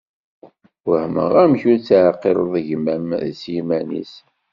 Wehmeɣ amek ur teεqileḍ gma-m s yiman-is.